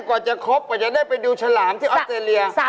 กว่าจะครบกว่าจะได้ไปดูฉลามที่ออสเตรเลีย